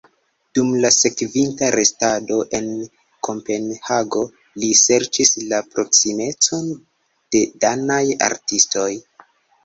Dum la sekvinta restado en Kopenhago li serĉis la proksimecon de danaj artistoj.